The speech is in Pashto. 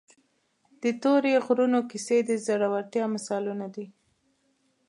د تورې غرونو کیسې د زړورتیا مثالونه دي.